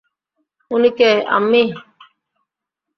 উনি কে, আম্মি?